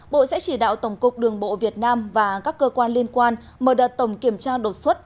bộ sẽ chỉ đạo tổng cục đường bộ việt nam và các cơ quan liên quan mở đợt tổng kiểm tra đột xuất